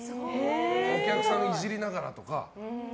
お客さんをいじりながらとか。